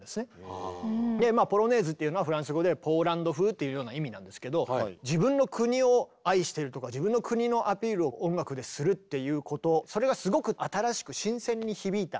「ポロネーズ」っていうのはフランス語でポーランド風というような意味なんですけど自分の国を愛してるとか自分の国のアピールを音楽でするっていうことそれがすごく新しく新鮮に響いた。